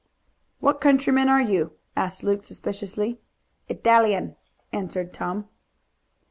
"What countryman are you?" asked Luke suspiciously. "Italian," answered Tom.